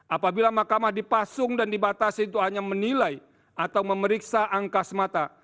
apabila mahkamah dipasung dan dibatasi itu hanya menilai atau memeriksa angka semata